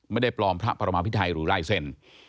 ไม่ได้ปลอมพระปรมาภิไทยหรือไลเซ็น